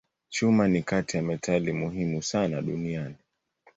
Chuma ni kati ya metali muhimu sana duniani.